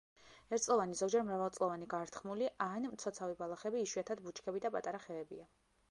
ერთწლოვანი, ზოგჯერ მრავალწლოვანი გართხმული ან მცოცავი ბალახები, იშვიათად ბუჩქები და პატარა ხეებია.